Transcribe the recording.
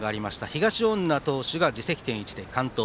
東恩納投手が自責点１で完投。